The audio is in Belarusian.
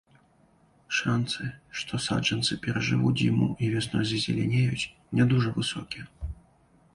Шанцы, што саджанцы перажывуць зіму і вясной зазелянеюць, не дужа высокія.